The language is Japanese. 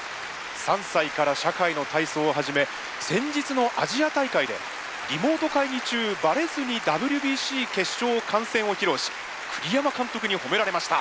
３歳から社会の体操を始め先日のアジア大会で「リモート会議中バレずにＷＢＣ決勝を観戦」を披露し栗山監督に褒められました。